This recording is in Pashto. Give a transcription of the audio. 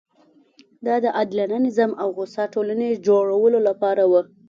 دا د عادلانه نظام او هوسا ټولنې جوړولو لپاره وه.